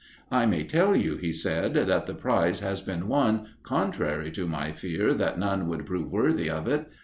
"I may tell you," he said, "that the prize has been won, contrary to my fear that none would prove worthy of it.